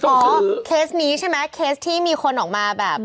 เคสนี้ใช่ไหมเคสที่มีคนออกมาแบบ